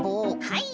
はい。